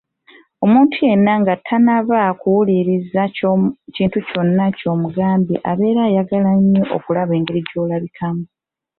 Omuntu yenna nga tannaba kuwuliriza kintu kyonna ky'omugamba abeera ayagala nnyo okulaba engeri gy'olabikamu.